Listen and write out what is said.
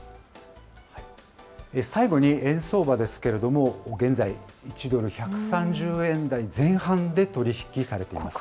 最後に円相場ですけれども、現在、１ドル１３０円台前半で取り引きされています。